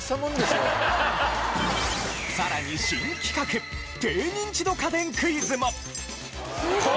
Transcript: さらに新企画低ニンチド家電クイズも。